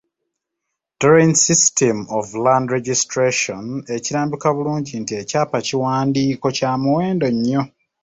"Torrens system of land registration" ekirambika bulungi nti ekyapa kiwandiiko kya muwendo nnyo.